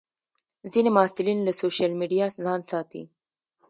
ځینې محصلین له سوشیل میډیا ځان ساتي.